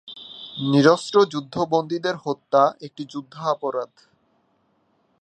নিরস্ত্র যুদ্ধবন্দীদের হত্যা একটি যুদ্ধাপরাধ।